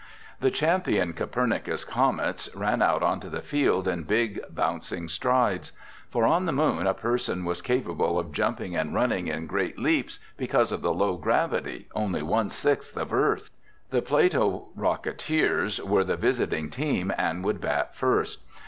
The champion Copernicus Comets ran out onto the field in big bouncing strides. For on the Moon a person was capable of jumping and running in great leaps because of the low gravity, only one sixth of Earth's. The Plato Rocketeers were the visiting team would bat first.